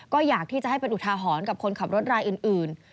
ก็อยากที่จะให้เป็นอุทาหรณ์กับคนขับรถรายอื่น